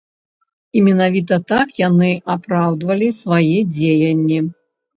І менавіта так яны апраўдвалі свае дзеянні.